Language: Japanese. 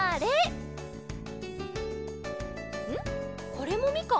これもみかん？